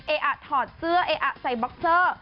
เออะถอดเสื้อเออะใส่บ็อกเซอร์